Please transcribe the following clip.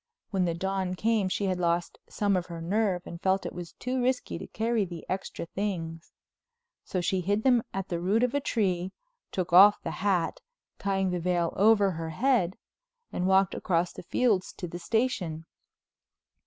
When the dawn came she had lost some of her nerve and felt it was too risky to carry the extra things. So she hid them at the root of a tree, took off the hat, tying the veil over her head, and walked across the fields to the station.